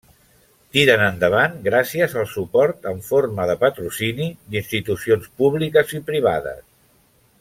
Tiren endavant gràcies al suport en forma de patrocini d'institucions públiques i privades.